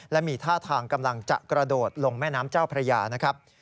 และมีท่าทางกำลังจะกระโดดลงแม่น้ำเจ้าพระยานะครับ